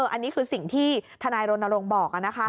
อันนี้คือสิ่งที่ทนายรณรงค์บอก